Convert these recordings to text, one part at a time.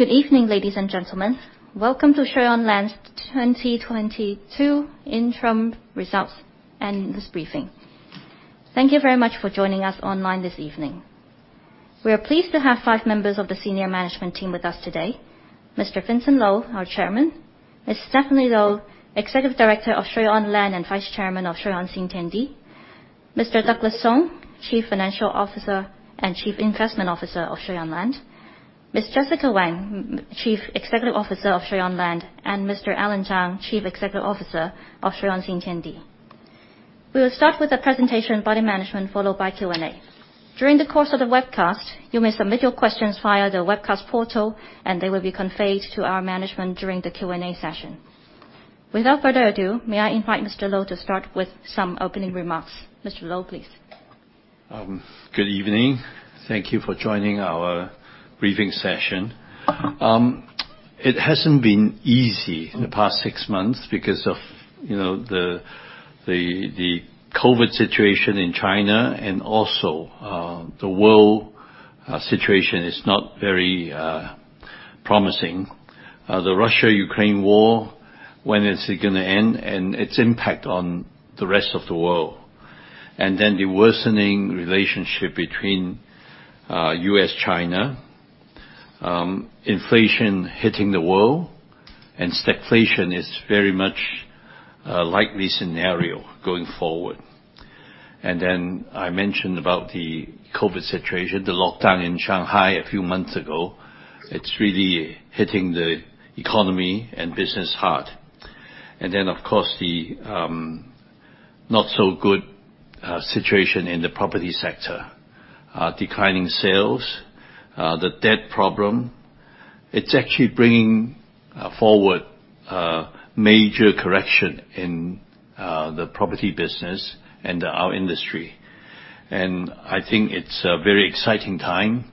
Good evening, ladies and gentlemen. Welcome to Shui On Land's 2022 interim results and this briefing. Thank you very much for joining us online this evening. We are pleased to have five members of the senior management team with us today. Mr. Vincent Lo, our chairman. Ms. Stephanie Lo, Executive Director of Shui On Land and Vice Chairman of Shui On Xintiandi. Mr. Douglas Sung, Chief Financial Officer and Chief Investment Officer of Shui On Land. Ms. Jessica Wang, Chief Executive Officer of Shui On Land. And Mr. Allan Zhang, Chief Executive Officer of Shui On Xintiandi. We will start with a presentation by the management, followed by Q&A. During the course of the webcast, you may submit your questions via the webcast portal, and they will be conveyed to our management during the Q&A session. Without further ado, may I invite Mr. Lo to start with some opening remarks. Mr. Lo, please. Good evening. Thank you for joining our briefing session. It hasn't been easy in the past six months because of the COVID situation in China and also the world situation is not very promising. The Russia-Ukraine war, when is it going to end, and its impact on the rest of the world. The worsening relationship between U.S., China, inflation hitting the world and stagflation is very much a likely scenario going forward. I mentioned about the COVID situation, the lockdown in Shanghai a few months ago. It's really hitting the economy and business hard. Of course, the not so good situation in the property sector. Declining sales, the debt problem, it's actually bringing forward a major correction in the property business and our industry. I think it's a very exciting time.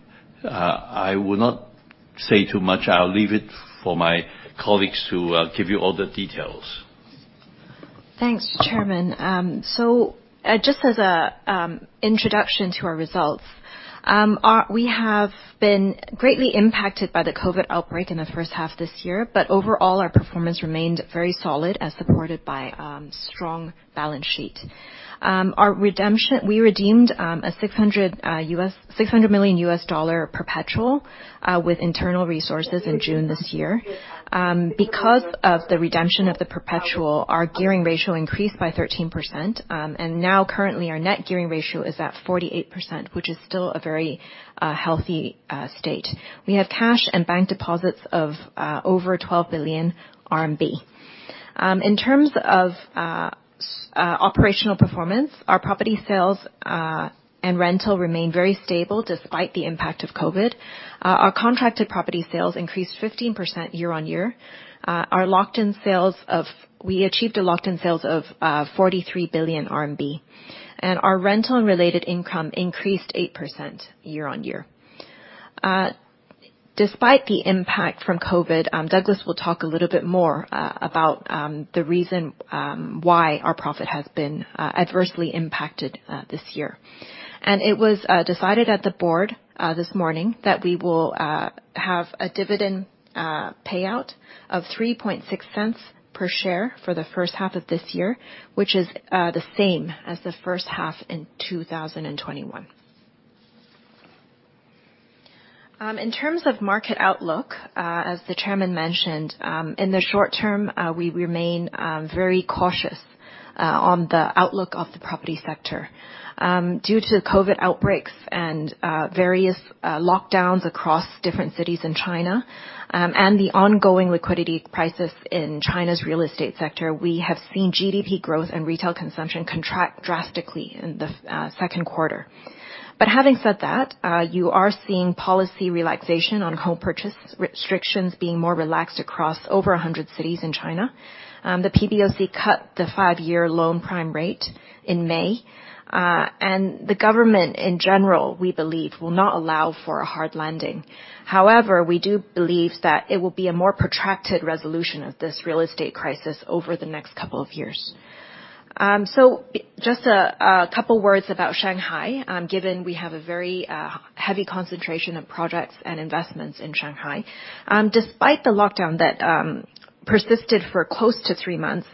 I will not say too much. I'll leave it for my colleagues to give you all the details. Thanks, Chairman. Just as an introduction to our results, we have been greatly impacted by the COVID outbreak in the first half this year, but overall, our performance remained very solid as supported by strong balance sheet.nWe redeemed a $600 million US dollar perpetual with internal resources in June this year. Because of the redemption of the perpetual, our gearing ratio increased by 13%. Now currently our net gearing ratio is at 48%, which is still a very healthy state. We have cash and bank deposits of over 12 billion RMB. In terms of operational performance, our property sales and rental remain very stable despite the impact of COVID. Our contracted property sales increased 15% year-on-year. We achieved a locked in sales of 43 billion RMB, and our rental and related income increased 8% year-on-year. Despite the impact from COVID, Douglas will talk a little bit more about the reason why our profit has been adversely impacted this year. It was decided at the board this morning that we will have a dividend payout of 0.036 per share for the first half of this year, which is the same as the first half in 2021. In terms of market outlook, as the chairman mentioned, in the short term, we remain very cautious on the outlook of the property sector. Due to the COVID outbreaks and various lockdowns across different cities in China, and the ongoing liquidity crisis in China's real estate sector, we have seen GDP growth and retail consumption contract drastically in the Q2. Having said that, you are seeing policy relaxation on home purchase restrictions being more relaxed across over 100 cities in China. The PBOC cut the five-year Loan Prime Rate in May. The government in general, we believe, will not allow for a hard landing. However, we do believe that it will be a more protracted resolution of this real estate crisis over the next couple of years. Just a couple words about Shanghai, given we have a very heavy concentration of projects and investments in Shanghai. Despite the lockdown that persisted for close to 3 months,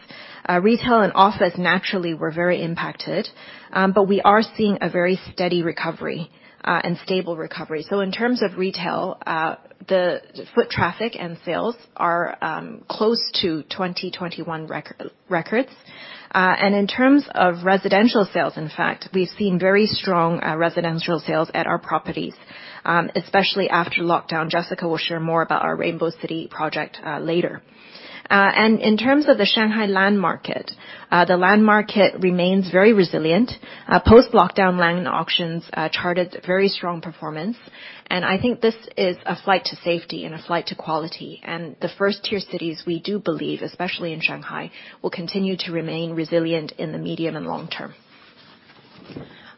retail and office naturally were very impacted, but we are seeing a very steady recovery and stable recovery. In terms of retail, the foot traffic and sales are close to 2021 records. In terms of residential sales, in fact, we've seen very strong residential sales at our properties, especially after lockdown. Ms. Jessica Wang will share more about our Rainbow City project later. In terms of the Shanghai land market, the land market remains very resilient. Post-lockdown land auctions charted very strong performance, and I think this is a flight to safety and a flight to quality. The Tier 1 cities, we do believe, especially in Shanghai, will continue to remain resilient in the medium and long term.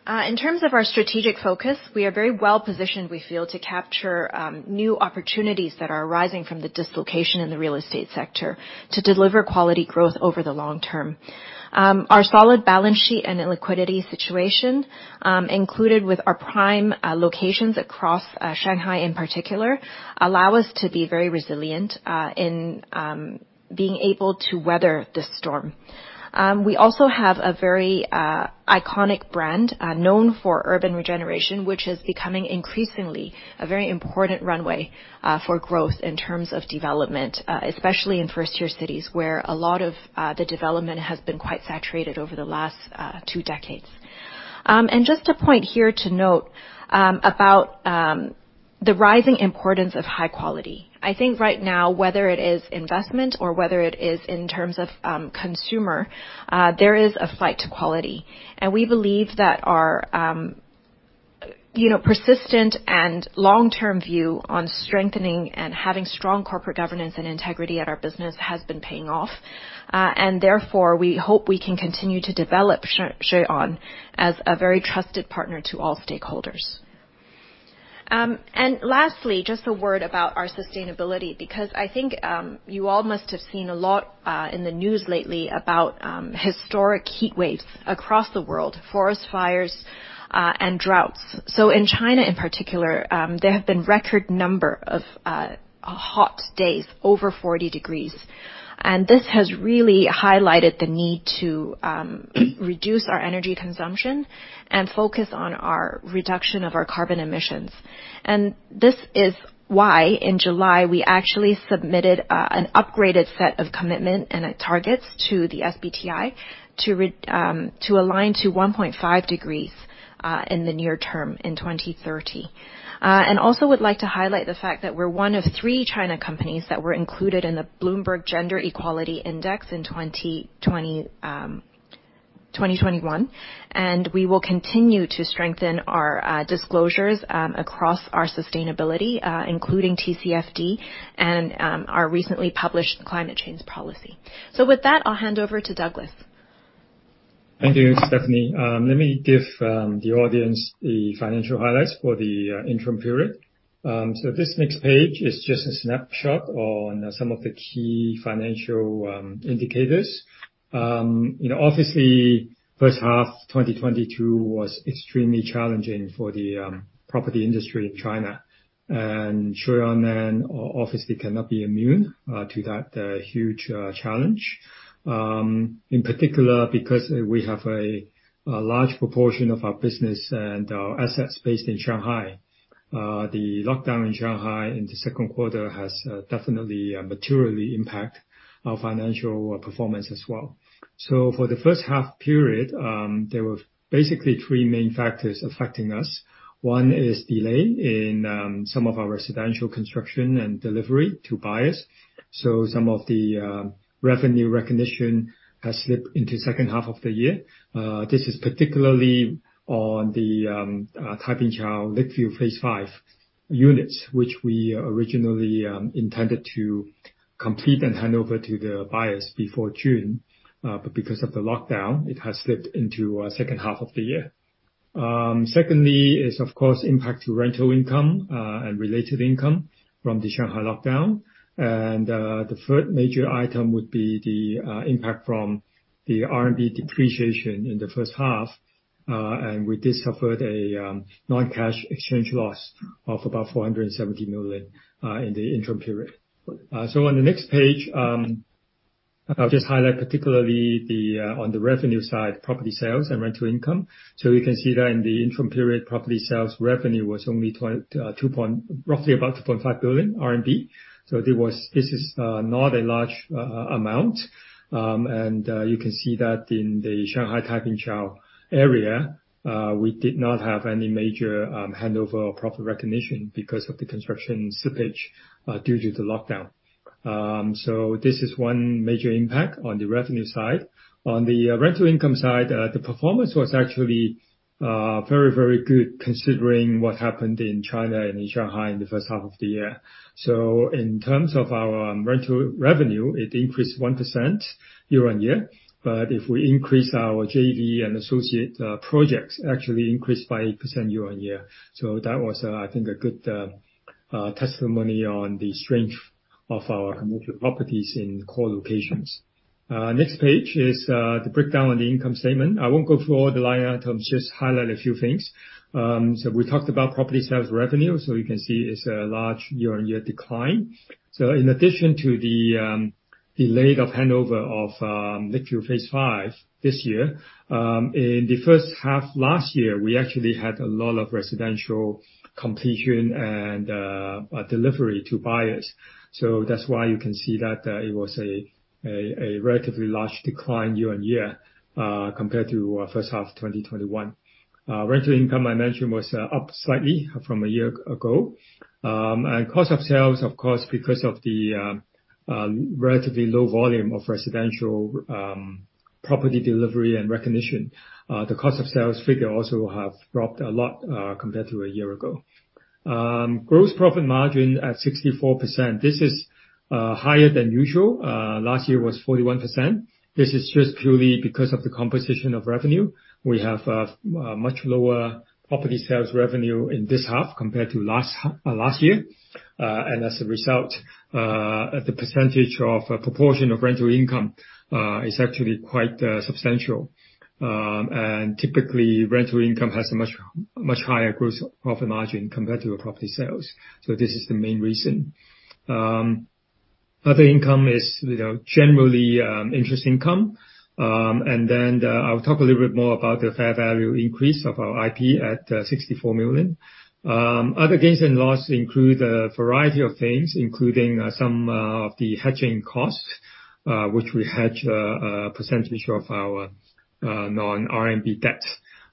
In terms of our strategic focus, we are very well positioned, we feel, to capture new opportunities that are rising from the dislocation in the real estate sector to deliver quality growth over the long term. Our solid balance sheet and liquidity situation, included with our prime locations across Shanghai in particular, allow us to be very resilient in being able to weather the storm. We also have a very iconic brand known for urban regeneration, which is becoming increasingly a very important runway for growth in terms of development, especially in Tier 1 cities where a lot of the development has been quite saturated over the last two decades. Just a point here to note about the rising importance of high quality. I think right now, whether it is investment or whether it is in terms of consumer, there is a flight to quality. We believe that our you know persistent and long-term view on strengthening and having strong corporate governance and integrity at our business has been paying off. Therefore, we hope we can continue to develop Shui On as a very trusted partner to all stakeholders. Lastly, just a word about our sustainability, because I think you all must have seen a lot in the news lately about historic heatwaves across the world, forest fires, and droughts. In China in particular, there have been record number of hot days over 40 degrees. This has really highlighted the need to reduce our energy consumption and focus on our reduction of our carbon emissions. This is why, in July, we actually submitted an upgraded set of commitment and targets to the SBTi to align to 1.5 degrees in the near term in 2030. Also would like to highlight the fact that we're one of three China companies that were included in the Bloomberg Gender-Equality Index in 2020, 2021. We will continue to strengthen our disclosures across our sustainability, including TCFD and our recently published climate change policy. With that, I'll hand over to Douglas. Thank you, Stephanie. Let me give the audience the financial highlights for the interim period. This next page is just a snapshot on some of the key financial indicators. Obviously, first half, 2022 was extremely challenging for the property industry in China. Shui On obviously cannot be immune to that huge challenge. In particular, because we have a large proportion of our business and our assets based in Shanghai. The lockdown in Shanghai in the Q2 has definitely materially impact our financial performance as well. For the first half period, there were basically three main factors affecting us. One is delay in some of our residential construction and delivery to buyers. Some of the revenue recognition has slipped into second half of the year. This is particularly on the Taipingqiao Lakeville Phase 5 units, which we originally intended to complete and hand over to the buyers before June, but because of the lockdown, it has slipped into second half of the year. Second, of course, impact to rental income and related income from the Shanghai lockdown. The third major item would be the impact from the RMB depreciation in the first half. We did suffer the non-cash exchange loss of about 470 million in the interim period. On the next page, I'll just highlight particularly on the revenue side, property sales and rental income. You can see that in the interim period, property sales revenue was only roughly about 2.5 billion RMB. This is not a large amount. You can see that in the Shanghai Taipingqiao area, we did not have any major handover or profit recognition because of the construction slippage due to the lockdown. This is one major impact on the revenue side. On the rental income side, the performance was actually very, very good considering what happened in China and in Shanghai in the first half of the year. In terms of our rental revenue, it increased 1% year-on-year. If we include our JV and associate projects, it actually increased by 8% year-on-year. That was, I think, a good testimony on the strength of our commercial properties in core locations. Next page is the breakdown on the income statement. I won't go through all the line items, just highlight a few things. We talked about property sales revenue, so you can see it's a large year-over-year decline. In addition to the delay of handover of Lakeville Phase 5 this year, in the first half last year, we actually had a lot of residential completion and delivery to buyers. That's why you can see that it was a relatively large decline year-over-year compared to first half of 2021. Rental income I mentioned was up slightly from a year ago. Cost of sales, of course, because of the relatively low volume of residential property delivery and recognition, the cost of sales figure also have dropped a lot, compared to a year ago. Gross profit margin at 64%. This is higher than usual. Last year was 41%. This is just purely because of the composition of revenue. We have much lower property sales revenue in this half compared to last year. As a result, the percentage of proportion of rental income is actually quite substantial. Typically, rental income has a much higher gross profit margin compared to property sales. So this is the main reason. Other income is generally, interest income. I'll talk a little bit more about the fair value increase of our IP at 64 million. Other gains and losses include a variety of things, including some of the hedging costs, which we hedge a percentage of our non-RMB debt.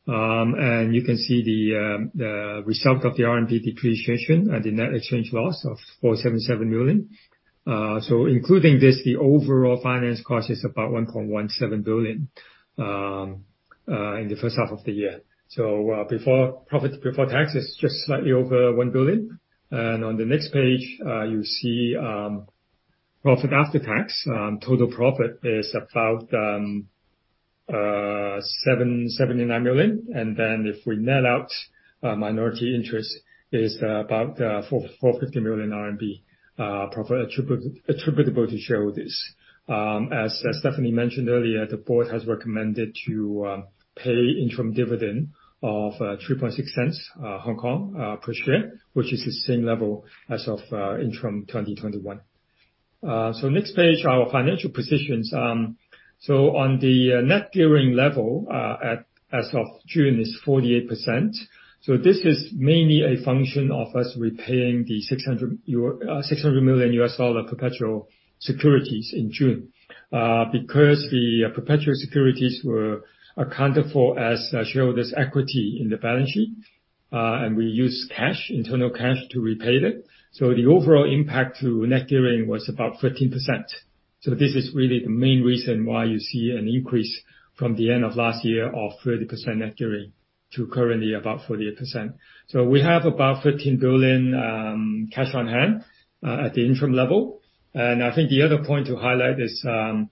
You can see the result of the RMB depreciation and the net exchange loss of 477 million. Including this, the overall finance cost is about 1.17 billion in the first half of the year. Profit before tax is just slightly over 1 billion. On the next page, you see profit after tax. Total profit is about 779 million. If we net out minority interest, is about 450 million RMB profit attributable to shareholders. As Stephanie mentioned earlier, the board has recommended to pay interim dividend of HK$0.036 per share, which is the same level as of interim 2021. Next page, our financial positions. On the net gearing level, as of June, is 48%. This is mainly a function of us repaying the $600 million US dollar perpetual securities in June. Because the perpetual securities were accounted for as shareholder's equity in the balance sheet, and we used internal cash to repay them. The overall impact to net gearing was about 13%. This much is really the main reason why you see an increase from the end of last year of 30% net gearing to currently about 48%. We have about 15 billion cash on hand at the interim level. I think the other point to highlight is on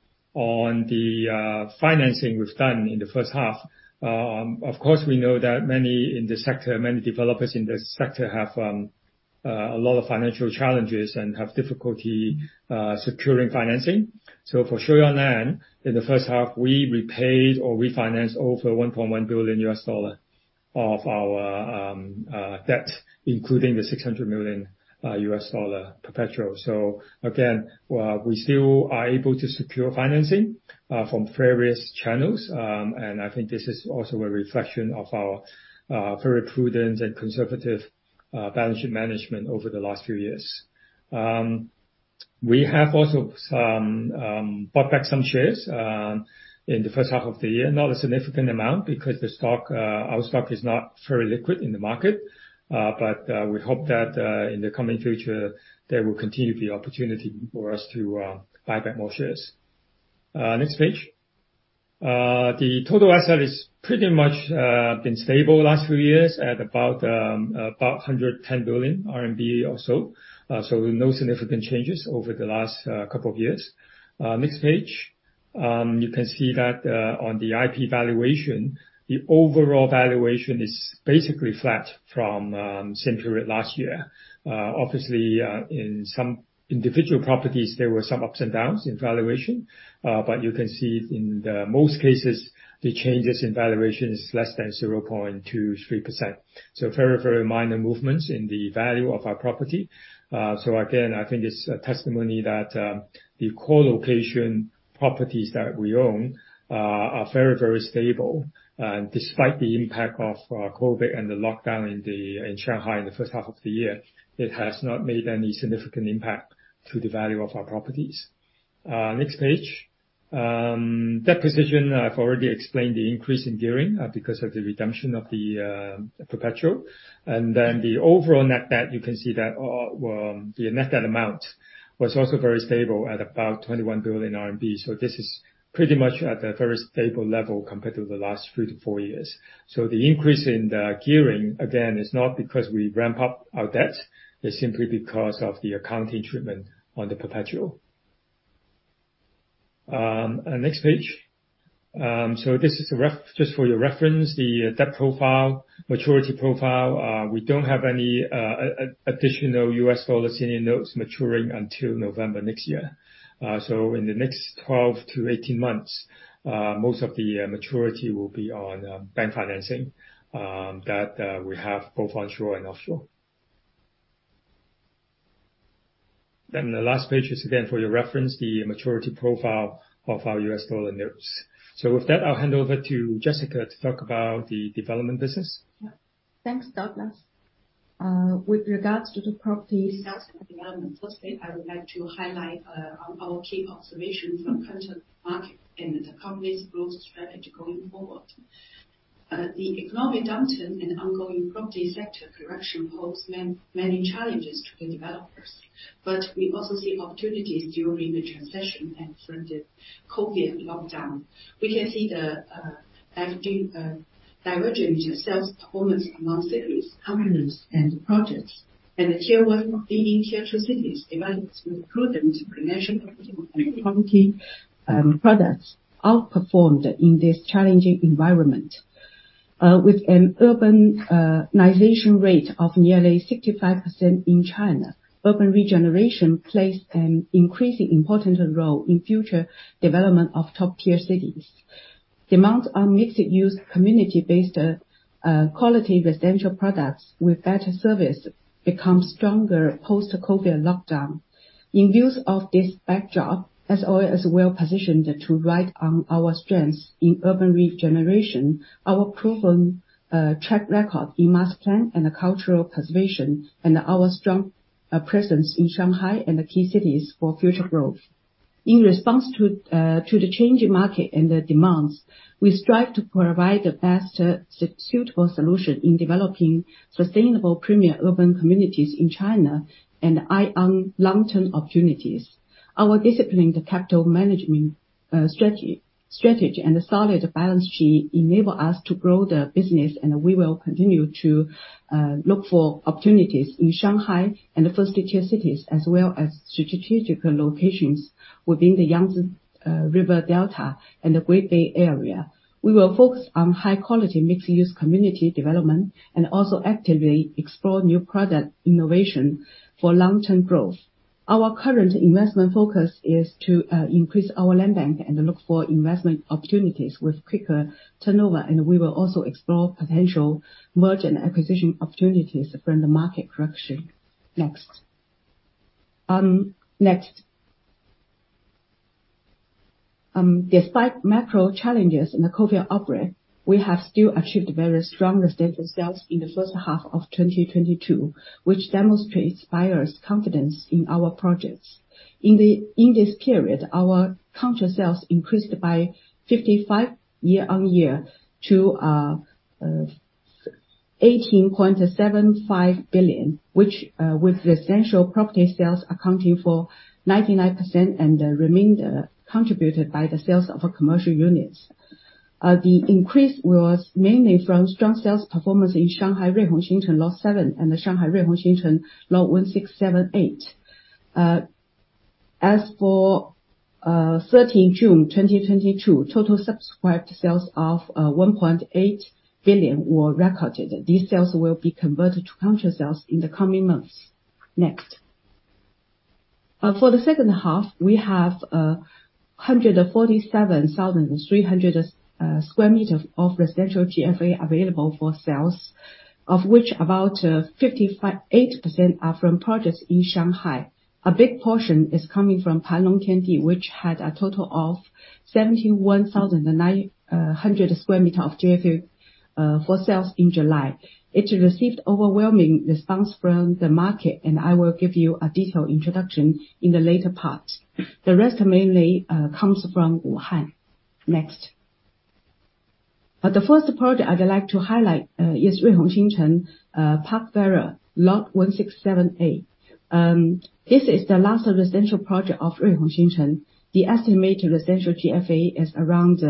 the financing we've done in the first half. Of course, we know that many in the sector, many developers in this sector have a lot of financial challenges and have difficulty securing financing. For Shui On Land, in the first half, we repaid or refinanced over $1.1 billion of our debt, including the $600 million US dollar perpetual. Again, we still are able to secure financing from various channels. I think this is also a reflection of our very prudent and conservative balance sheet management over the last few years. We have also some bought back some shares in the first half of the year. Not a significant amount because the stock our stock is not very liquid in the market. We hope that in the coming future, there will continue the opportunity for us to buy back more shares. Next page. The total asset is pretty much been stable last few years at about 110 billion RMB or so. No significant changes over the last couple of years. Next page. You can see that on the IP valuation, the overall valuation is basically flat from same period last year. Obviously, in some individual properties, there were some ups and downs in valuation. But you can see in most cases, the changes in valuation is less than 0.23%. Very, very minor movements in the value of our property. Again, I think it's a testimony that the core location properties that we own are very, very stable. Despite the impact of COVID and the lockdown in Shanghai in the first half of the year, it has not made any significant impact to the value of our properties. Next page. Debt position, I've already explained the increase in gearing because of the redemption of the perpetual. The overall net debt, you can see that, well, the net debt amount was also very stable at about 21 billion RMB. This is pretty much at a very stable level compared to the last three to four years. The increase in the gearing, again, is not because we ramp up our debt. It's simply because of the accounting treatment on the perpetual. Next page. This is just for your reference, the debt profile, maturity profile. We don't have any additional US dollar senior notes maturing until November next year. In the next 12 to 18 months, most of the maturity will be on bank financing that we have both onshore and offshore. The last page is again for your reference, the maturity profile of our US dollar notes. With that, I'll hand over to Jessica to talk about the development business. Yeah. Thanks, Douglas. With regards to the property development, firstly, I would like to highlight our key observations from current market and the company's growth strategy going forward. The economic downturn and ongoing property sector correction pose many challenges to the developers. We also see opportunities during the transition and from the COVID lockdown. We can see the average divergent sales performance among cities, companies and projects. The Tier 1 and Tier II cities developed with proven international and quality products outperformed in this challenging environment. With an urbanization rate of nearly 65% in China, urban regeneration plays an increasingly important role in future development of top-tier cities. Demands on mixed-use, community-based quality residential products with better service becomes stronger post-COVID lockdown. In view of this backdrop, SO is well-positioned to ride on our strengths in urban regeneration, our proven track record in master plan and cultural preservation, and our strong presence in Shanghai and the key cities for future growth. In response to the changing market and the demands, we strive to provide the best suitable solution in developing sustainable premier urban communities in China and keep an eye on long-term opportunities. Our disciplined capital management strategy and solid balance sheet enable us to grow the business, and we will continue to look for opportunities in Shanghai and the first-tier cities, as well as strategic locations within the Yangtze River Delta and the Greater Bay Area. We will focus on high-quality mixed-use community development and also actively explore new product innovation for long-term growth. Our current investment focus is to increase our land bank and look for investment opportunities with quicker turnover, and we will also explore potential merger and acquisition opportunities from the market correction. Next. Next. Despite macro challenges and the COVID outbreak, we have still achieved very strong residential sales in the first half of 2022, which demonstrates buyers' confidence in our projects. In this period, our contract sales increased by 55% year-on-year to 18.75 billion, which with residential property sales accounting for 99% and the remainder contributed by the sales of our commercial units. The increase was mainly from strong sales performance in Shanghai Ruihong Xincheng Lot 167 and the Shanghai Ruihong Xincheng Lot 167A. As for 13th June 2022, total subscribed sales of 1.8 billion were recorded. These sales will be converted to contract sales in the coming months. Next. For the second half, we have 147,300 square meters of residential GFA available for sales, of which about 58% are from projects in Shanghai. A big portion is coming from Panlong Tiandi, which had a total of 71,900 square meters of GFA for sales in July. It received overwhelming response from the market, and I will give you a detailed introduction in the later part. The rest mainly comes from Wuhan. Next. The first project I'd like to highlight is Ruihong Xincheng, Park Vera Lot 167A. This is the last residential project of Ruihong Xincheng. The estimated residential GFA is around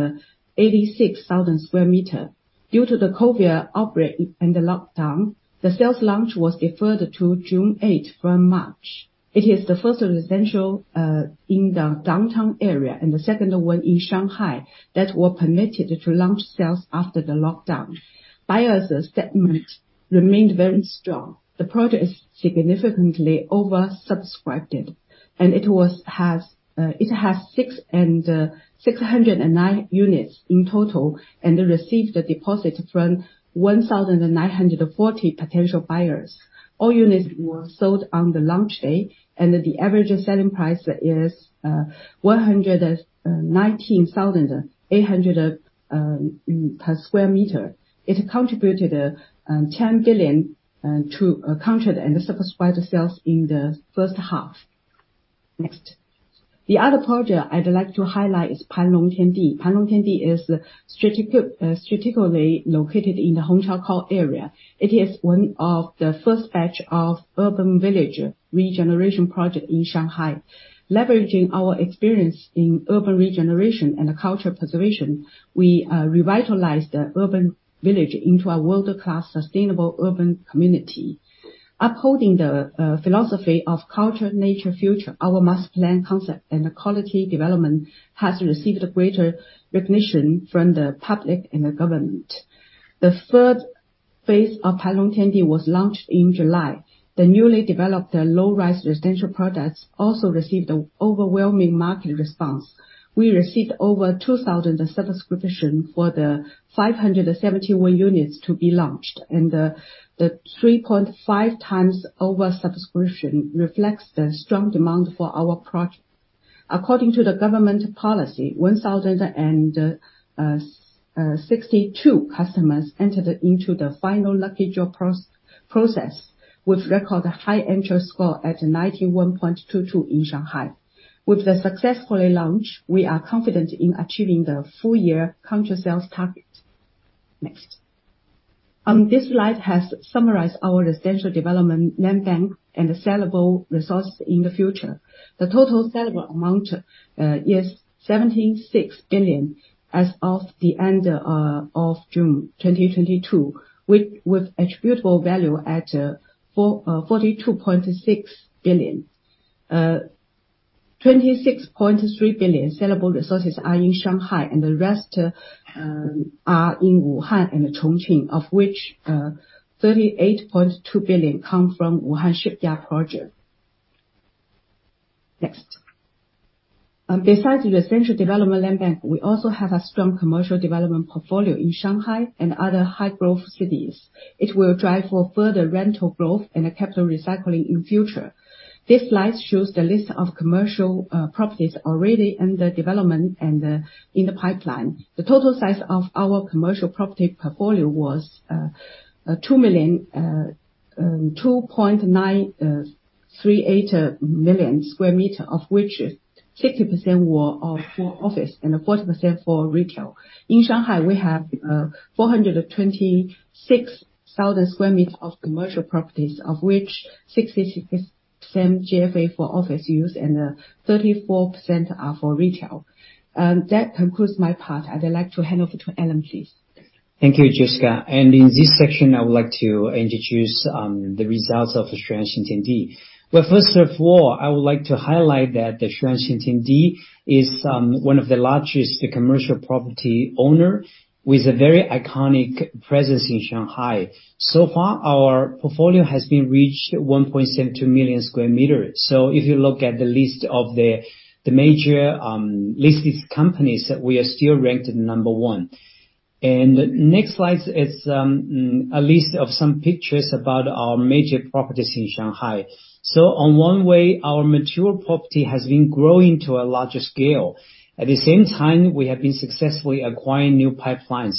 86,000 square meters. Due to the COVID outbreak and the lockdown, the sales launch was deferred to June eighth from March. It is the first residential in the downtown area and the second one in Shanghai that were permitted to launch sales after the lockdown. Buyers' sentiment remained very strong. The project is significantly oversubscribed, and it has 609 units in total, and it received a deposit from 1,940 potential buyers. All units were sold on the launch day, and the average selling price is 119,800 per square meter. It contributed 10 billion to contract and subscribed sales in the first half. Next. The other project I'd like to highlight is Panlong Tiandi. Panlong Tiandi is strategically located in the Hongqiao core area. It is one of the first batch of urban village regeneration projects in Shanghai. Leveraging our experience in urban regeneration and cultural preservation, we revitalized the urban village into a world-class sustainable urban community. Upholding the philosophy of culture, nature, future, our master plan concept and quality development has received greater recognition from the public and the government. The third Phase of Panlong Tiandi was launched in July. The newly developed low-rise residential products also received overwhelming market response. We received over 2,000 subscriptions for the 571 units to be launched, and the 3.5 times oversubscription reflects the strong demand for our project. According to the government policy, 1,062 customers entered into the final lottery draw process, which records a high entry score at 91.22 in Shanghai. With the successful launch, we are confident in achieving the full year contract sales target. Next. This slide has summarized our essential development land bank and the sellable resources in the future. The total sellable amount is 76 billion as of the end of June 2022, with attributable value at 42.6 billion. 26.3 billion sellable resources are in Shanghai, and the rest are in Wuhan and Chongqing, of which 38.2 billion come from Wuhan Shipyard project. Next. Besides the essential development land bank, we also have a strong commercial development portfolio in Shanghai and other high-growth cities. It will drive for further rental growth and capital recycling in future. This slide shows the list of commercial properties already under development and in the pipeline. The total size of our commercial property portfolio was 2.938 million square meters, of which 60% were for office and 40% for retail. In Shanghai, we have 426,000 square meters of commercial properties, of which 60% GFA for office use and 34% are for retail. That concludes my part. I'd like to hand over to Alan, please. Thank you, Jessica. In this section, I would like to introduce the results of the Shui On Xin Tian Di. First of all, I would like to highlight that the Shui On Xin Tian Di is one of the largest commercial property owner with a very iconic presence in Shanghai. So far, our portfolio has reached 1.72 million square meters. If you look at the list of the major listed companies, we are still ranked number one. Next slide is a list of some pictures about our major properties in Shanghai. In one way, our mature property has been growing to a larger scale. At the same time, we have been successfully acquiring new pipelines.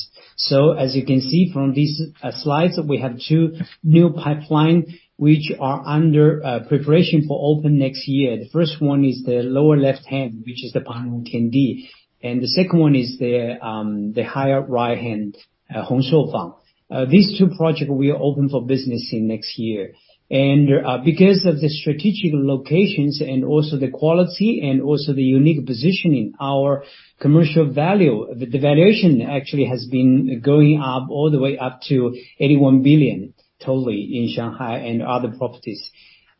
As you can see from these slides, we have two new pipeline which are under preparation for open next year. The first one is the lower left hand, which is the Panlong Tiandi. The second one is the higher right-hand, Hong Shou Fang. These two projects will open for business in next year. Because of the strategic locations and also the quality and also the unique positioning, our commercial value, the valuation actually has been going up all the way up to 81 billion totally in Shanghai and other properties.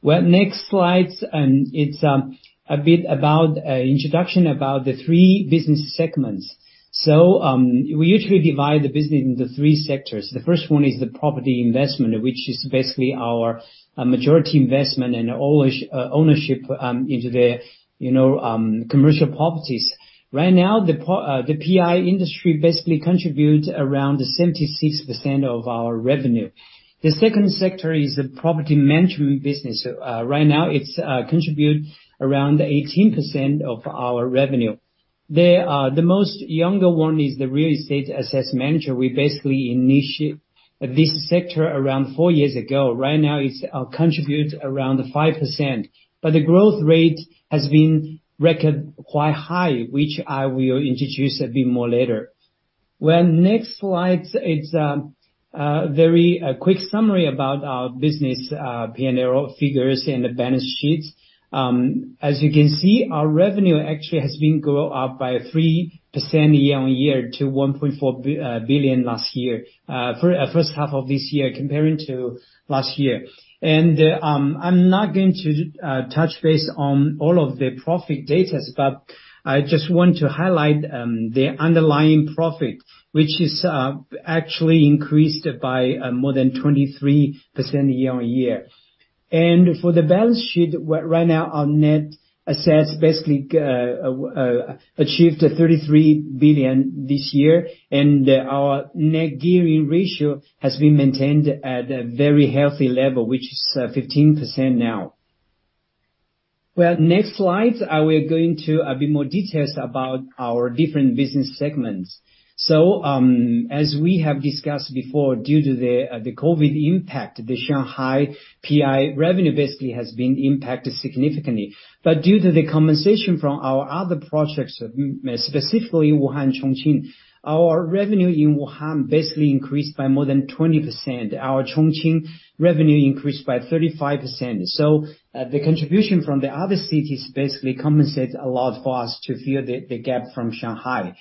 Next slides, it's a bit about an introduction about the three business segments. We usually divide the business into three sectors. The first one is the property investment, which is basically our majority investment and ownership into the commercial properties. Right now, the PI industry basically contributes around 76% of our revenue. The second sector is the property management business. Right now, it's contribute around 18% of our revenue. The most younger one is the real estate asset manager. We basically initiate this sector around 4 years ago. Right now, it's contribute around 5%. But the growth rate has been recorded quite high, which I will introduce a bit more later. Well, next slide is very quick summary about our business, P&L figures and the balance sheets. As you can see, our revenue actually has been grow up by 3% year-on-year to 1.4 billion last year for first half of this year comparing to last year. I'm not going to touch base on all of the profit data, but I just want to highlight the underlying profit, which is actually increased by more than 23% year-on-year. For the balance sheet, right now, our net assets basically achieved 33 billion this year, and our net gearing ratio has been maintained at a very healthy level, which is 15% now. Next slides, we're going to a bit more details about our different business segments. As we have discussed before, due to the COVID impact, the Shanghai PI revenue basically has been impacted significantly. Due to the compensation from our other projects, specifically Wuhan, Chongqing, our revenue in Wuhan basically increased by more than 20%. Our Chongqing revenue increased by 35%. The contribution from the other cities basically compensates a lot for us to fill the gap from Shanghai.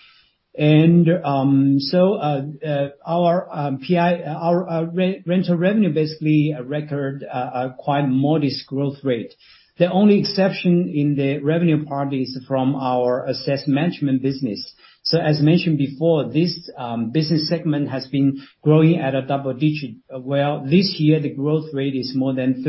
Our PI, our rental revenue, basically recorded a quite modest growth rate. The only exception in the revenue part is from our asset management business. As mentioned before, this business segment has been growing at a double digit. Well, this year, the growth rate is more than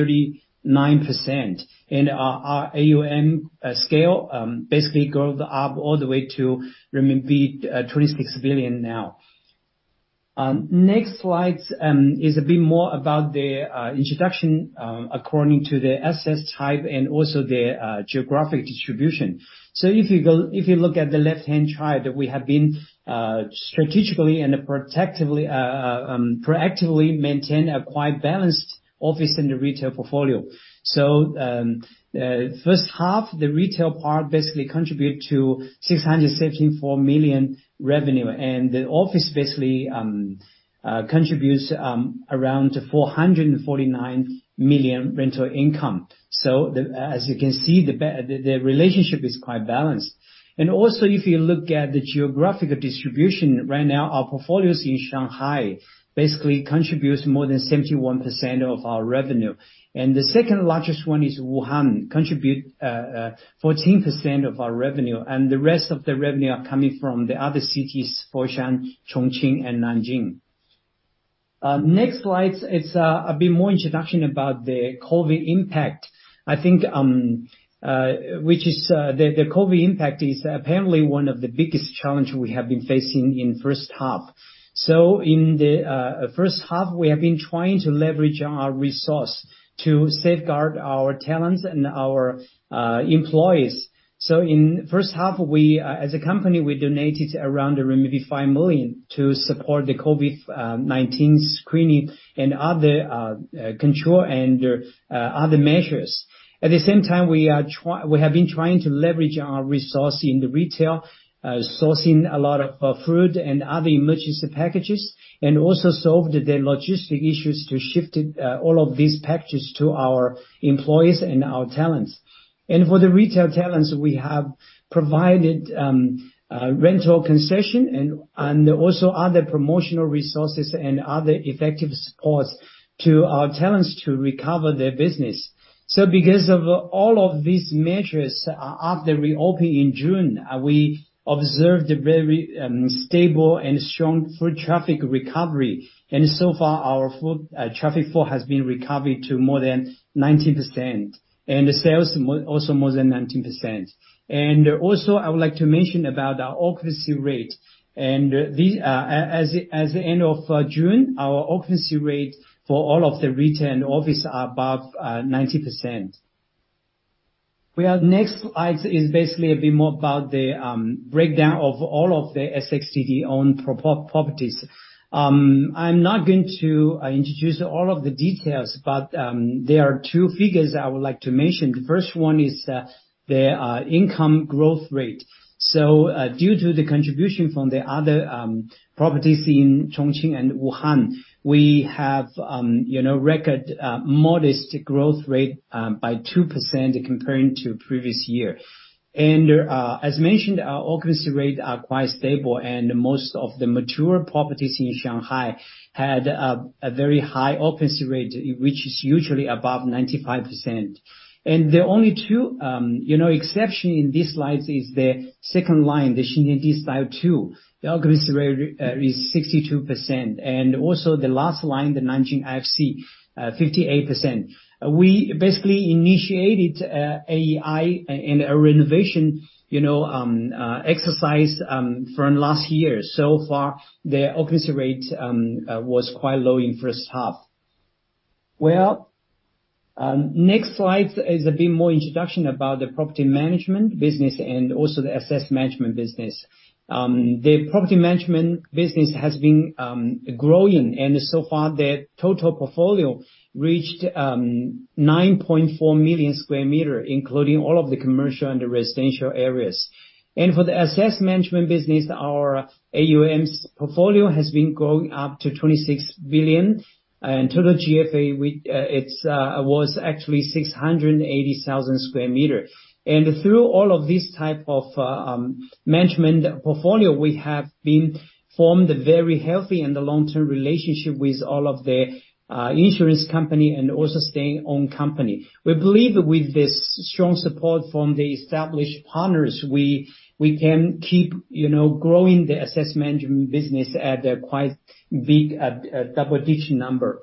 39%. Our AUM scale basically goes up all the way to 26 billion now. Next slide is a bit more about the introduction according to the asset type and also the geographic distribution. If you look at the left-hand chart, we have been strategically and protectively proactively maintain a quite balanced office and retail portfolio. First half, the retail part basically contribute to 674 million revenue. The office basically contributes around 449 million rental income. As you can see, the relationship is quite balanced. Also, if you look at the geographic distribution, right now our portfolios in Shanghai basically contributes more than 71% of our revenue. The second largest one is Wuhan, contributes 14% of our revenue. The rest of the revenue are coming from the other cities, Foshan, Chongqing, and Nanjing. Next slide is a bit more introduction about the COVID impact. I think which is the COVID impact is apparently one of the biggest challenge we have been facing in first half. In the first half, we have been trying to leverage our resource to safeguard our talents and our employees. In first half, we as a company donated around 5 million to support the COVID-19 screening and other control and other measures. At the same time, we have been trying to leverage our resources in the retail, sourcing a lot of food and other emergency packages, and also solved the logistics issues to shift all of these packages to our employees and our talents. For the retail talents, we have provided rental concessions and also other promotional resources and other effective support to our talents to recover their business. Because of all of these measures, after reopening in June, we observed a very stable and strong foot traffic recovery. So far, our foot traffic has been recovered to more than 19%, and sales also more than 19%. I would like to mention about our occupancy rate. At the end of June, our occupancy rate for all of the retail and office are above 90%. Next slide is basically a bit more about the breakdown of all of the SXTD-owned properties. I'm not going to introduce all of the details, but there are two figures I would like to mention. The first one is the income growth rate. Due to the contribution from the other properties in Chongqing and Wuhan, we have you know recorded modest growth rate by 2% comparing to previous year. As mentioned, our occupancy rate are quite stable, and most of the mature properties in Shanghai had a very high occupancy rate, which is usually above 95%. The only two exception in this slide is the second line, the Xintiandi Style II. The occupancy rate is 62%. Also the last line, the Nanjing IFC, 58%. We basically initiated a renovation exercise from last year. So far, the occupancy rate was quite low in first half. Next slide is a bit more introduction about the property management business and also the asset management business. The property management business has been growing. So far, the total portfolio reached 9.4 million square meters, including all of the commercial and the residential areas. For the asset management business, our AUM's portfolio has been growing up to 26 billion. Total GFA, it was actually 680,000 square meters. Through all of these type of management portfolio, we have been formed a very healthy and a long-term relationship with all of the insurance company and also state-owned company. We believe that with this strong support from the established partners, we can keep growing the asset management business at a quite big double-digit number.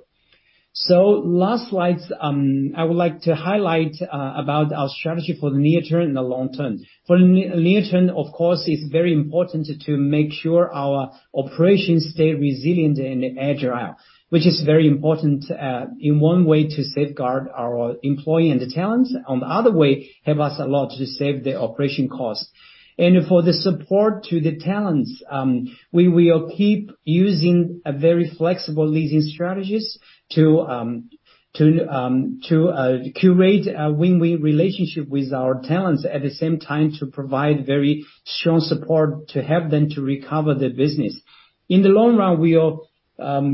Last slides, I would like to highlight about our strategy for the near term and the long term. For the near term, of course, it's very important to make sure our operations stay resilient and agile, which is very important in one way to safeguard our employee and the talents. On the other hand, help us a lot to save the operating costs. For the support to the tenants, we will keep using a very flexible leasing strategies to create a win-win relationship with our tenants, at the same time to provide very strong support to help them to recover their business. In the long run, we'll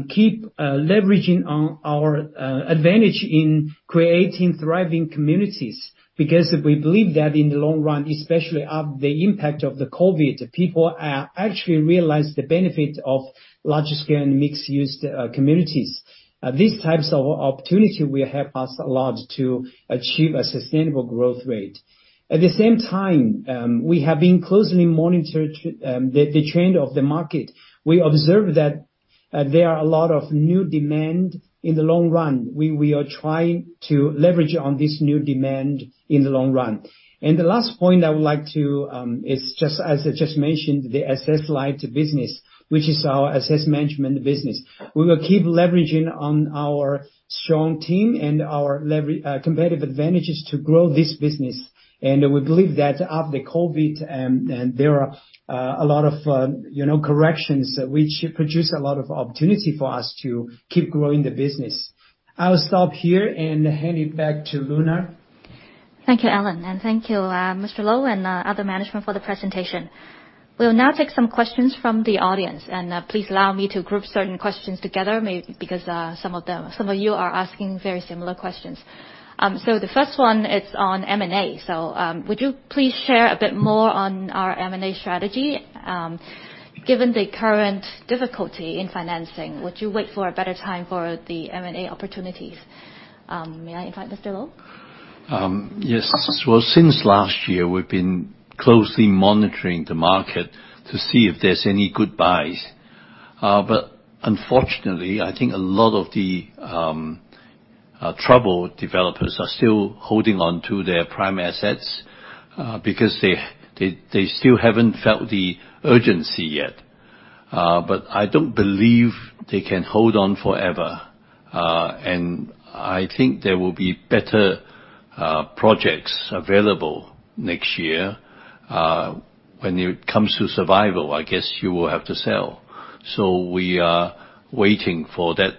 keep leveraging on our advantage in creating thriving communities. Because we believe that in the long run, especially after the impact of the COVID, people actually realize the benefit of larger scale and mixed-use communities. These types of opportunities will help us a lot to achieve a sustainable growth rate. At the same time, we have been closely monitoring the trend of the market. We observed that there are a lot of new demand in the long run. We are trying to leverage on this new demand in the long run. The last point I would like to is just as I just mentioned, the asset light business, which is our asset management business. We will keep leveraging on our strong team and our competitive advantages to grow this business. We believe that after COVID, and there are a lot of corrections which produce a lot of opportunity for us to keep growing the business. I'll stop here and hand it back to Luna. Thank you, Allan, and thank you, Mr. Lo and other management for the presentation. We'll now take some questions from the audience, and please allow me to group certain questions together maybe because some of them, some of you are asking very similar questions. The first one is on M&A. Would you please share a bit more on our M&A strategy, given the current difficulty in financing? Would you wait for a better time for the M&A opportunities? May I invite Mr. Lo? Yes. Awesome. Well, since last year, we've been closely monitoring the market to see if there's any good buys. Unfortunately, I think a lot of the troubled developers are still holding on to their prime assets, because they still haven't felt the urgency yet. I don't believe they can hold on forever, and I think there will be better projects available next year. When it comes to survival, I guess you will have to sell. We are waiting for that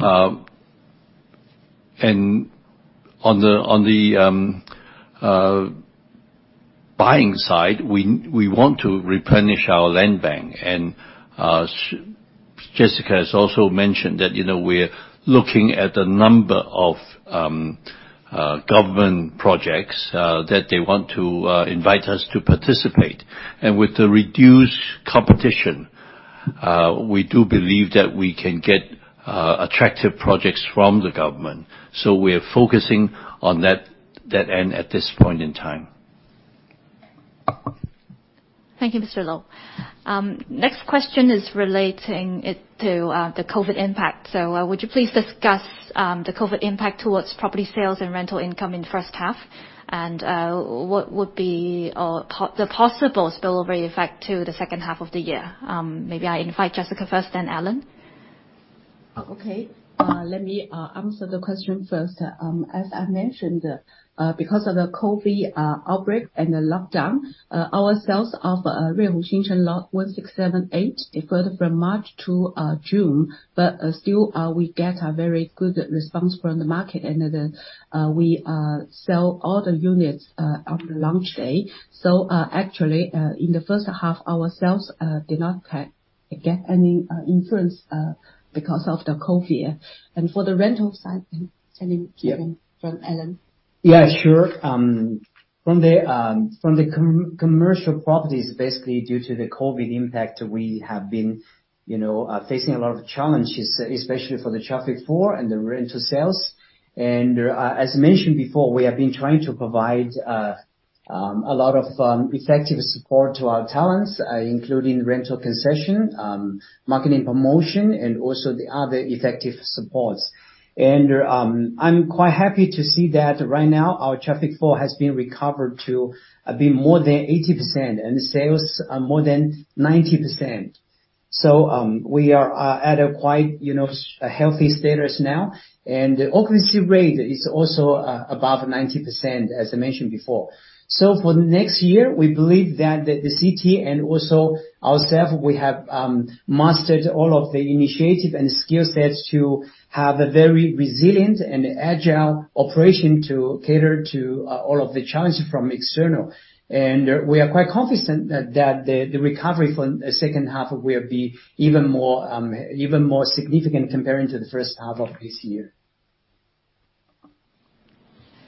opportunities. On the buying side, we want to replenish our land bank. Ms. Jessica Wang has also mentioned that we're looking at a number of government projects that they want to invite us to participate. With the reduced competition, we do believe that we can get attractive projects from the government. We're focusing on that end at this point in time. Thank you, Mr. Lo. Next question is relating it to the COVID impact. Would you please discuss the COVID impact toward property sales and rental income in first half? What would be the possible spillover effect to the second half of the year? Maybe I invite Jessica first, then Alan. Okay. Um. Let me answer the question first. As I mentioned, because of the COVID outbreak and the lockdown, our sales of Ruihong Xincheng Lot 167A deferred from March to June. Still, we get a very good response from the market, and then we sell all the units on the launch day. Actually, in the first half, our sales did not get any influence because of the COVID. For the rental side, I'm sending to- Yeah. Allan Zhang. Yeah, sure. From the commercial properties, basically due to the COVID impact, we have been facing a lot of challenges, especially for the traffic flow and the rental sales. As mentioned before, we have been trying to provide a lot of effective support to our tenants, including rental concession, marketing promotion, and also the other effective supports. I'm quite happy to see that right now our traffic flow has been recovered to a bit more than 80%, and sales are more than 90%. We are at a quite healthy status now. The occupancy rate is also above 90%, as I mentioned before. For next year, we believe that the city and also ourself, we have mastered all of the initiative and skillsets to have a very resilient and agile operation to cater to all of the challenges from external. We are quite confident that the recovery for second half will be even more significant comparing to the first half of this year.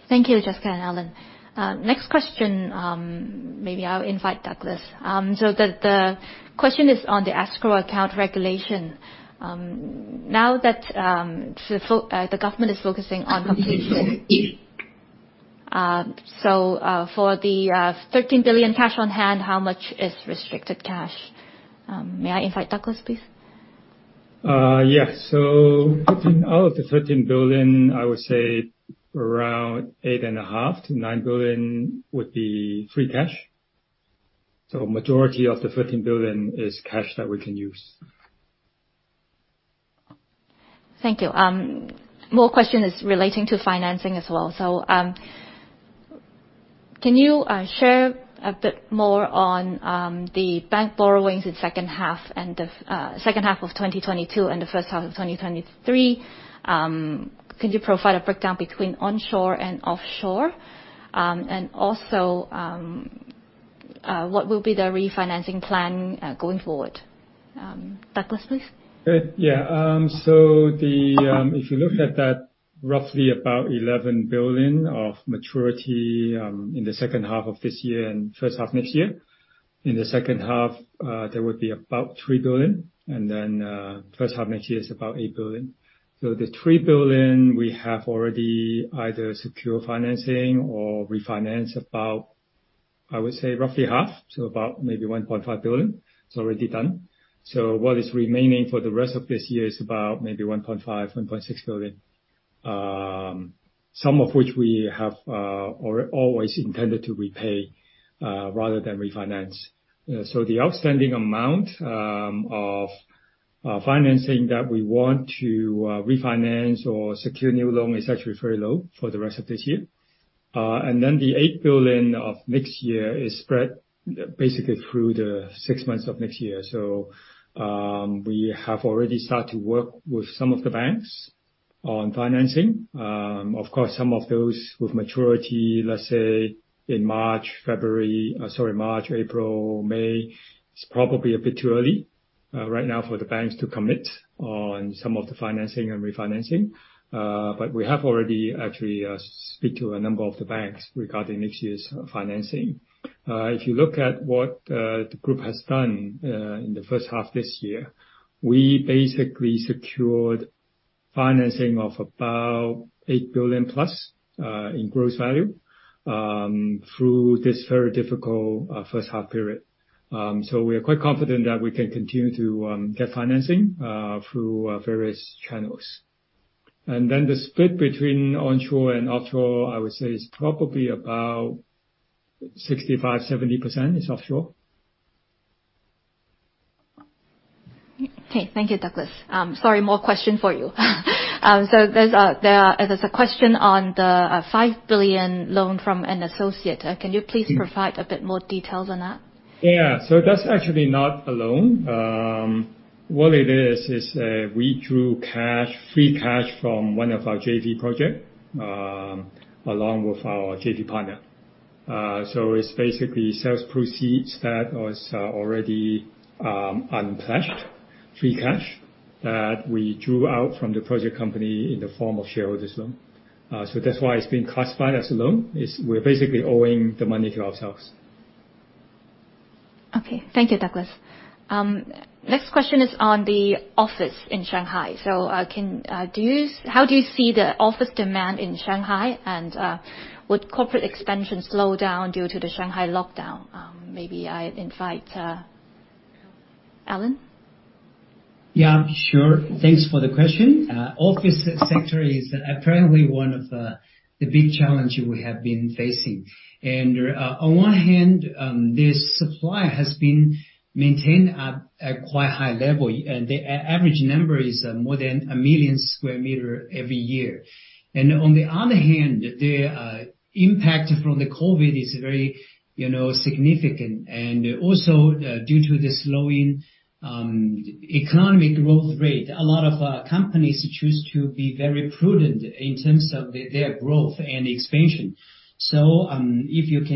Thank you, Jessica and Alan. Next question, maybe I'll invite Douglas. The question is on the escrow account regulation. Now that the government is focusing on. So for the 13 billion cash on hand, how much is restricted cash? May I invite Douglas, please? Putting out the 13 billion, I would say around 8.5 billion-9 billion would be free cash. Majority of the 13 billion is cash that we can use. Thank you. Another question is relating to financing as well. Can you share a bit more on the bank borrowings in the second half of 2022 and the first half of 2023? Can you provide a breakdown between onshore and offshore? Also, what will be the refinancing plan going forward? Douglas, please. Yeah. If you look at that, roughly 11 billion of maturity in the second half of this year and first half next year. In the second half, there would be about 3 billion, and then, first half next year is about 8 billion. The 3 billion we have already either secure financing or refinance. I would say roughly half to about maybe 1.5 billion is already done. What is remaining for the rest of this year is about maybe 1.5, 1.6 billion, some of which we have or always intended to repay rather than refinance. The outstanding amount of financing that we want to refinance or secure new loan is actually very low for the rest of this year. The 8 billion of next year is spread basically through the six months of next year. We have already started to work with some of the banks on financing. Of course, some of those with maturity, let's say in March, April, May. It's probably a bit too early right now for the banks to commit on some of the financing and refinancing. We have already actually spoken to a number of the banks regarding next year's financing. If you look at what the group has done in the first half this year, we basically secured financing of about 8 billion-plus in gross value through this very difficult first half period. We are quite confident that we can continue to get financing through various channels. The split between onshore and offshore, I would say is probably about 65%-70% is offshore. Okay. Thank you, Douglas. Sorry, one more question for you. There's a question on the 5 billion loan from an associate. Can you please provide a bit more details on that? That's actually not a loan. What it is is we drew cash, free cash from one of our JV project, along with our JV partner. It's basically sales proceeds that was already unpledged free cash that we drew out from the project company in the form of shareholders loan. That's why it's being classified as a loan, is we're basically owing the money to ourselves. Okay. Thank you, Douglas. Next question is on the office in Shanghai. How do you see the office demand in Shanghai? And would corporate expansion slow down due to the Shanghai lockdown? Maybe I invite Alan. Yeah, sure. Thanks for the question. Office sector is apparently one of the big challenges we have been facing. On one hand, the supply has been maintained at quite high level, and the average number is more than 1 million square meters every year. On the other hand, the impact from the COVID is very significant. Also, due to the slowing economic growth rate, a lot of companies choose to be very prudent in terms of their growth and expansion. If you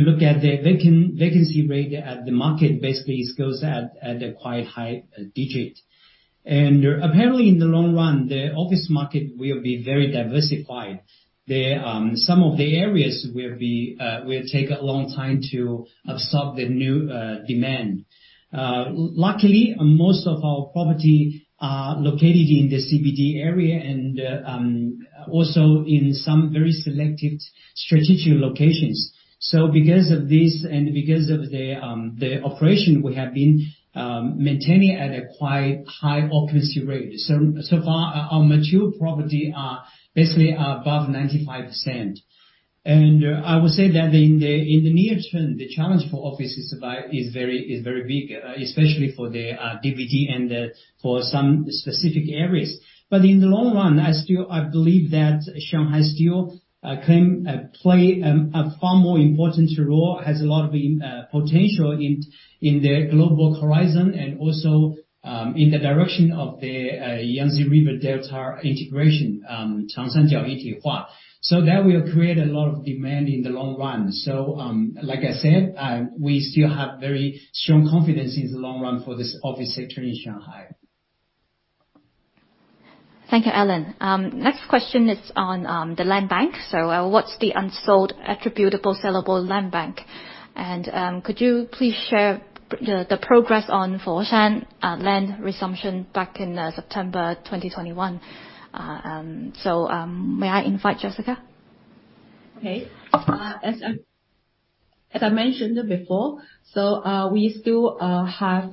look at the vacancy rate at the market, basically it goes at a quite high digit. Apparently, in the long run, the office market will be very diversified. Some of the areas will take a long time to absorb the new demand. Luckily, most of our property are located in the CBD area and also in some very selected strategic locations. Because of this and because of the operation, we have been maintaining at a quite high occupancy rate. So far our mature property are basically above 95%. I would say that in the near term, the challenge for office supply is very big, especially for the CBD and for some specific areas. I believe that Shanghai still can play a far more important role, has a lot of potential in the global horizon and also in the direction of the Yangtze River Delta integration mandate. That will create a lot of demand in the long run. Like I said, we still have very strong confidence in the long run for this office sector in Shanghai. Thank you, Allan. Next question is on the land bank. What's the unsold attributable sellable land bank? Could you please share the progress on Foshan land resumption back in September 2021? May I invite Jessica? As I mentioned before, we still have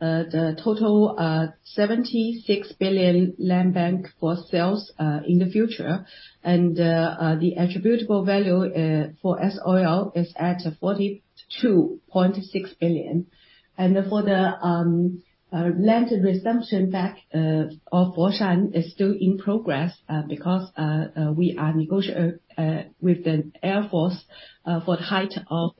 the total 76 billion land bank for sales in the future. The attributable value for SOL is at 42.6 billion. The land resumption backlog of Foshan is still in progress because we are negotiating with the air force for the height of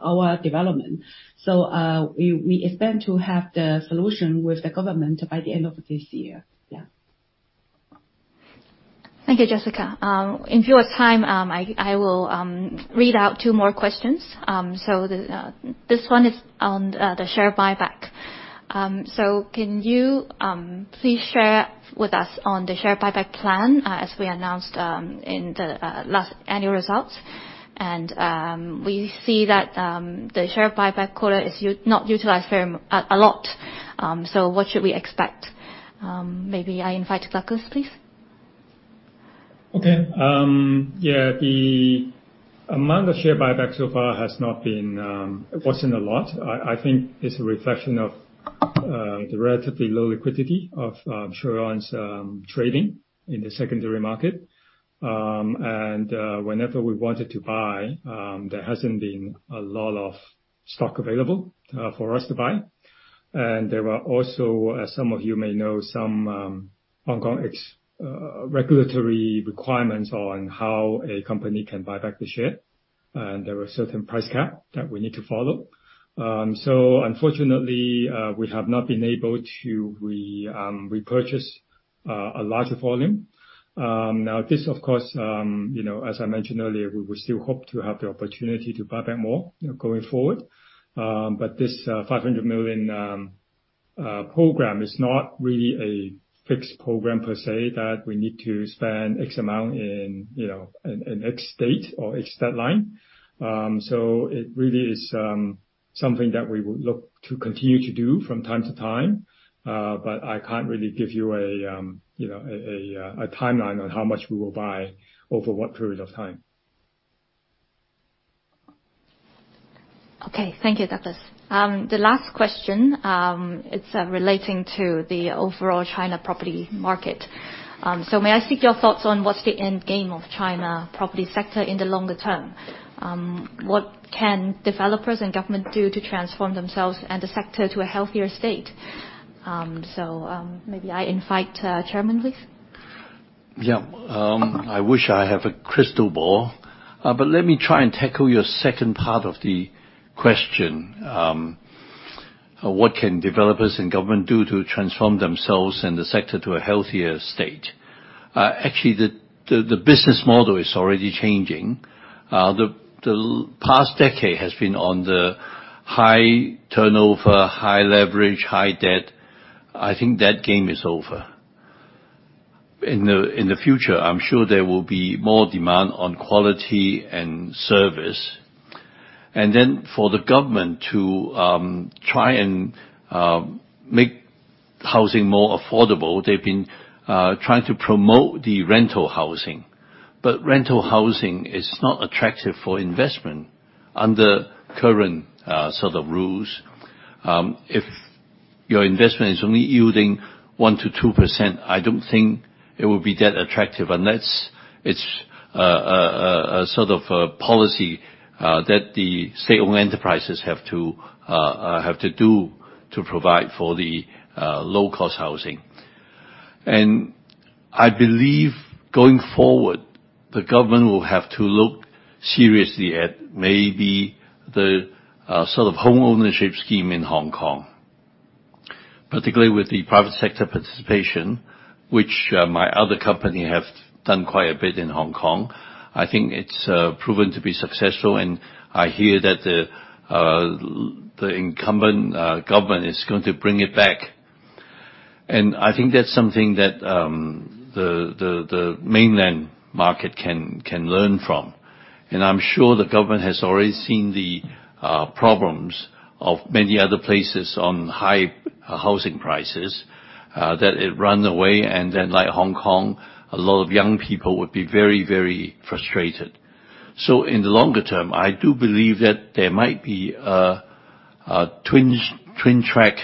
our development. We expect to have the solution with the government by the end of this year. Yeah. Thank you, Jessica. If you have time, I will read out two more questions. This one is on the share buyback. Can you please share with us on the share buyback plan as we announced in the last annual results? We see that the share buyback quota is not utilized very much at all. What should we expect? Maybe I invite Douglas, please. Okay. Yeah, the amount of share buyback so far has not been. It wasn't a lot. I think it's a reflection of the relatively low liquidity of Shui On's trading in the secondary market. Whenever we wanted to buy, there hasn't been a lot of stock available for us to buy. There are also, as some of you may know, some Hong Kong regulatory requirements on how a company can buy back the share, and there are certain price cap that we need to follow. Unfortunately, we have not been able to repurchase a larger volume. This of course as I mentioned earlier, we will still hope to have the opportunity to buy back more going forward. This 500 million program is not really a fixed program per se, that we need to spend X amount in in X date or X deadline. It really is something that we would look to continue to do from time to time. I can't really give you a a timeline on how much we will buy over what period of time. Okay. Thank you, Douglas. The last question, it's relating to the overall China property market. May I seek your thoughts on what's the end game of China property sector in the longer term? What can developers and government do to transform themselves and the sector to a healthier state? Maybe I invite Chairman, please. Yeah. I wish I have a crystal ball, but let me try and tackle your second part of the question. What can developers and government do to transform themselves and the sector to a healthier state? Actually the business model is already changing. The past decade has been on the high turnover, high leverage, high debt. I think that game is over. In the future, I'm sure there will be more demand on quality and service. Then for the government to try and make housing more affordable, they've been trying to promote the rental housing, but rental housing is not attractive for investment under current sort of rules. If your investment is only yielding 1%-2%, I don't think it would be that attractive unless it's a sort of a policy that the state-owned enterprises have to do to provide for the low cost housing. I believe going forward, the government will have to look seriously at maybe the sort of homeownership scheme in Hong Kong, particularly with the private sector participation, which my other company have done quite a bit in Hong Kong. I think it's proven to be successful, and I hear that the incumbent government is going to bring it back. I think that's something that the mainland market can learn from. I'm sure the government has already seen the problems of many other places on high housing prices that it run away, and then like Hong Kong, a lot of young people would be very frustrated. In the longer term, I do believe that there might be a twin track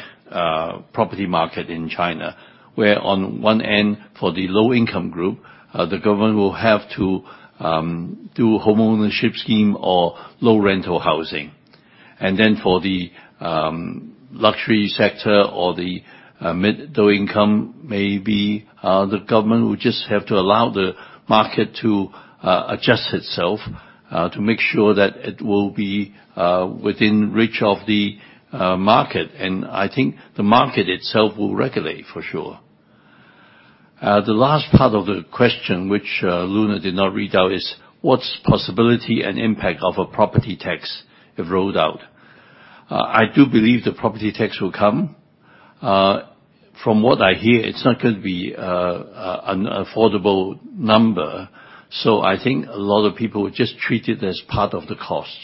property market in China, where on one end for the low income group the government will have to do homeownership scheme or low rental housing. For the luxury sector or the mid low income, maybe the government would just have to allow the market to adjust itself to make sure that it will be within reach of the market. I think the market itself will regulate for sure. The last part of the question, which, Luna did not read out, is what's possibility and impact of a property tax if rolled out? I do believe the property tax will come. From what I hear, it's not going to be, an affordable number. I think a lot of people would just treat it as part of the cost.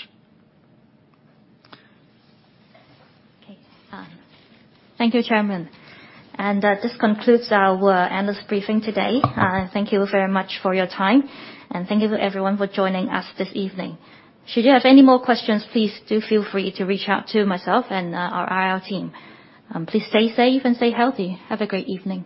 Okay. Thank you, Chairman. This concludes our annual briefing today. Thank you very much for your time, and thank you to everyone for joining us this evening. Should you have any more questions, please do feel free to reach out to myself and our IR team. Please stay safe and stay healthy. Have a great evening.